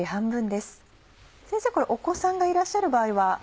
先生これお子さんがいらっしゃる場合は。